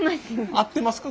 合ってますか？